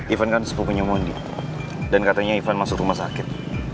even kan sepupunya mondi dan katanya ivan masuk rumah sakit